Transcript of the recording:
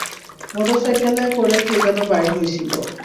মোটরসাইকেলে করে কে যেন বাইর হইসিল।